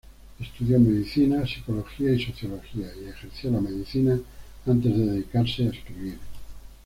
Estudió medicina, psicología y sociología, y ejerció la medicina antes de dedicarse a escribir.